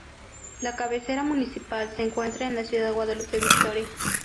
La cabecera municipal se encuentra en la Ciudad Guadalupe Victoria.